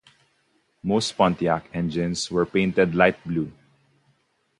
Most Pontiac engines were painted light blue.